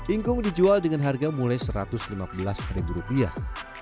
ingkung dijual dengan harga mulai satu ratus lima belas ribu rupiah